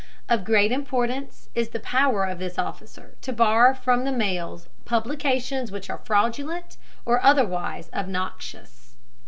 Of great importance is the power of this officer to bar from the mails publications which are fraudulent or otherwise obnoxious.